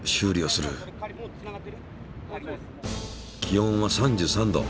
気温は３３℃。